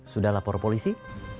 sudah lapor polisi